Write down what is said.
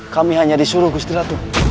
kami hanya disuruh gusti ratu